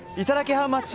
ハウマッチ。